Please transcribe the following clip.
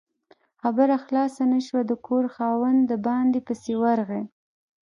خبره خلاصه نه شوه، د کور خاوند د باندې پسې ورغی